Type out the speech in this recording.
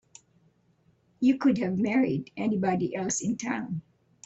You could have married anybody else in town.